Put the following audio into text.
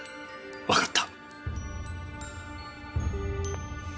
わかった。